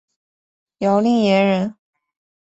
姚令言人。